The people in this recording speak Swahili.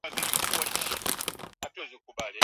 kwenye mataifa ishirini na nane ulimwenguni